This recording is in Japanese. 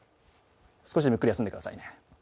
少しゆっくり休んでくださいね。